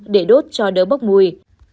để đốt cho đỡ bốc mùi